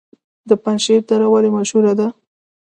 د پنجشیر دره ولې مشهوره ده؟